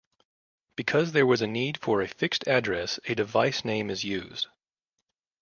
Because there was a need for a fixed address a device name is used.